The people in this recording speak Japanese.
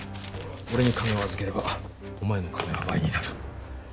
俺に金を預ければお前の金は倍になる。